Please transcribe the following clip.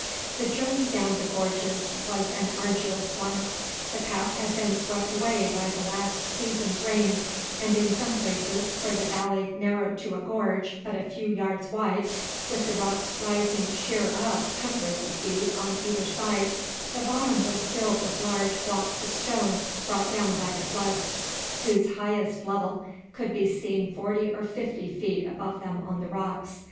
The journey down the gorges was an arduous one. The path had been swept away by the last season's rains, and in some places where the valley narrowed to a gorge but a few yards wide, with the rocks rising sheer up hundreds of feet on either side, the bottom was filled with large blocks of stone brought down by the floods, whose highest level could be seen forty or fifty feet above them on the rocks.